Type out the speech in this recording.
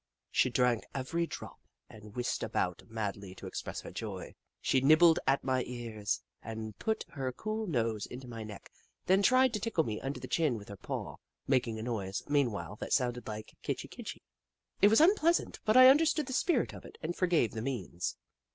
She drank every drop and whisked about madly to express her joy. She nibbled at my ears and put her cool nose into my neck, then tried to tickle me under the chin with her paw, making a noise, meanwhile, that sounded like " Kitchi Kitchi." It was un pleasant, but I understood the spirit of it and forgave the means.